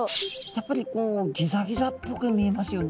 やっぱりこうギザギザっぽく見えますよね。